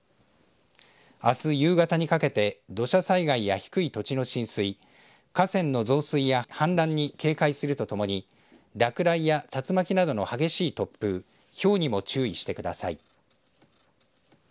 あす夕方にかけて土砂災害や低い土地の浸水河川の増水や氾濫に警戒するとともに落雷や竜巻などの激しい突風ひょうにも注意してください。